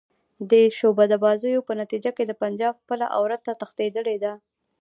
دې شعبده بازیو په نتیجه کې د پنجاب خپله عورته تښتېدلې ده.